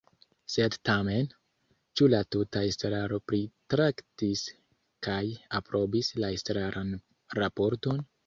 Sed tamen, ĉu la tuta estraro pritraktis kaj aprobis la estraran raporton?